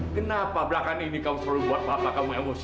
kenapa belakang ini kamu selalu buat bapak kamu emosi